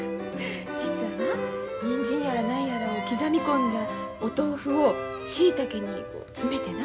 実はなにんじんやら何やらを刻み込んだお豆腐を椎茸に詰めてな。